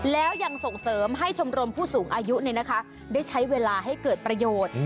แล้วยังส่งเสริมให้ชมรมผู้สูงอายุได้ใช้เวลาให้เกิดประโยชน์